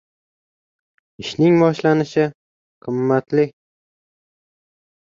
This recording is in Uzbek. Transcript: • Ishning boshlanishi ― qimmatli.